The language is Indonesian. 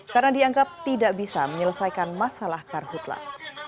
karena dianggap tidak bisa menyelesaikan masalah karhutlah